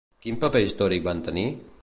Quin paper històric van tenir?